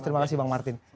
terima kasih bang martin